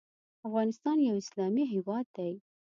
افغانستان یو اسلامی هیواد دی .